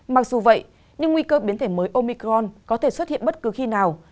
mặc dù vậy nhưng nguy cơ biến thể mới omicron có thể xuất hiện bất cứ khi nào